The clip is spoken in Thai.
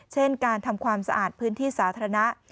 เช่นการทำความสะอาดพื้นที่สาธารณะ